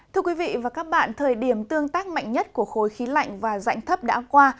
thưa quý vị và các bạn thời điểm tương tác mạnh nhất của khối khí lạnh và dạnh thấp đã qua